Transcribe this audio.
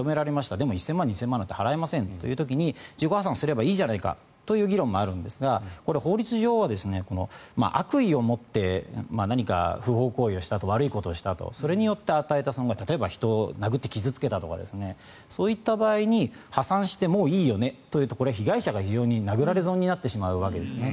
でも１０００万２０００万円なんて払えませんという時に自己破産すればいいじゃないかという議論もあるんですがこれ、法律上は悪意を持って何か不法行為をしたと悪い行為をしたとそれによって与えた損害例えば、人を殴って傷付けたとかそういった場合に破産してもういいよねというとこれは非常に被害者が殴られ損になってしまうわけですね。